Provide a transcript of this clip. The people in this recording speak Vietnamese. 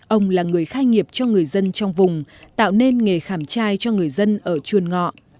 ông là người khai nghiệp cho người dân trong vùng tạo nên nghề khảm trai cho người dân ở chuồn ngọ